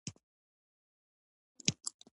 ډېر پخوا وو خلیفه د عباسیانو